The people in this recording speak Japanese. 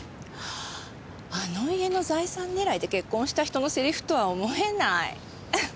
あの家の財産狙いで結婚した人のセリフとは思えない。